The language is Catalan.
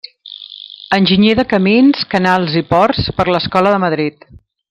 Enginyer de camins, canals i ports per l'Escola de Madrid.